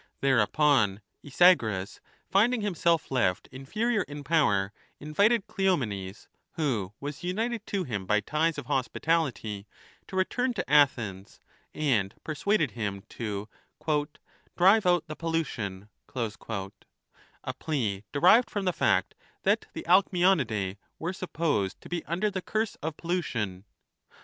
Thereupon Isagoras, finding himself left inferior in power, invited Cleomenes, who was united to him by ties of hospitality, to return to Athens, and persuaded him to " drive out the pollution," 2 a plea derived from the fact that the Alcmeonidae were supposed to be under the curse of pollution.